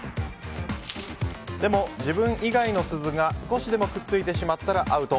でも、自分以外の鈴が少しでもくっついてしまったらアウト！